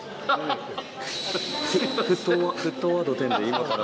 『沸騰ワード１０』で今から。